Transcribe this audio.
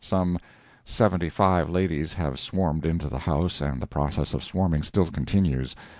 [Some seventy five ladies have swarmed into the House, and the process of swarming still continues.